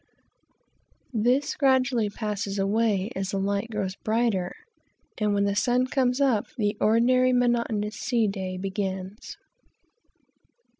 This gradually passes away as the light grows brighter, and when the sun comes up, the ordinary monotonous sea day begins.